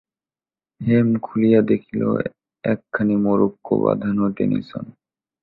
হেম খুলিয়া দেখিল, একখানি মরক্কো-বাঁধানো টেনিসন।